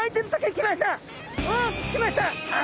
きました？